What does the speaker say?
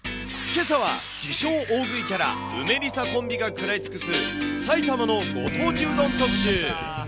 けさは、自称大食いキャラ、梅りさコンビが喰らい尽くす、埼玉のご当地うどん特集。